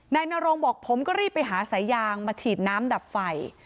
นโรงบอกผมก็รีบไปหาสายยางมาฉีดน้ำดับไฟ